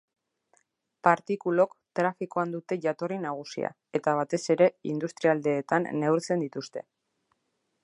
Partikulok trafikoan dute jatorri nagusia, eta batez ere industrialdeetan neurtzen dituzte.